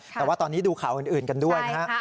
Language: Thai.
แต่ว่าตอนนี้ดูข่าวอื่นกันด้วยนะฮะ